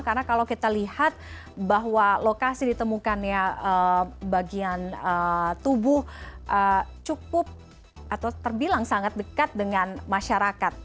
karena kalau kita lihat bahwa lokasi ditemukannya bagian tubuh cukup atau terbilang sangat dekat dengan masyarakat